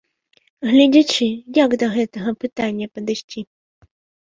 Гледзячы, як да гэтага пытання падысці.